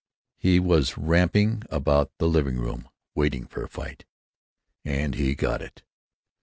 He was ramping about the living room, waiting for a fight—and he got it.